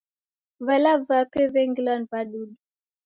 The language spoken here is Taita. Vala vape vengiliwa ni w'adudu